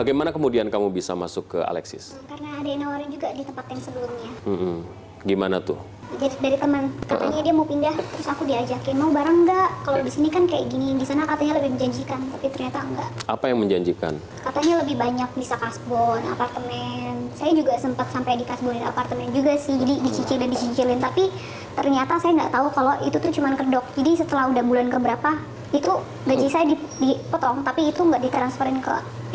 itu gaji saya dipotong tapi itu nggak ditransferin ke pihak